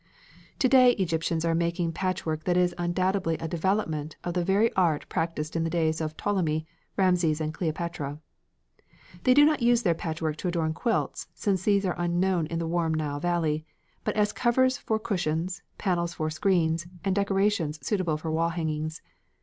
To day Egyptians are making patchwork that is undoubtedly a development of the very art practised in the days of Ptolemy, Rameses, and Cleopatra. They do not use their patchwork to adorn quilts, since these are unknown in the warm Nile valley, but as covers for cushions, panels for screens, and decorations suitable for wall hangings.